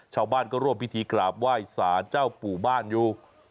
ชาวบ้านก็ร่วมพิธีกราบไหว้สารเจ้าปู่บ้านอยู่